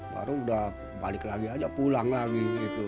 baru udah balik lagi aja pulang lagi gitu